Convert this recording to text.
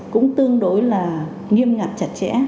cũng tương đối là nghiêm ngặt chặt chẽ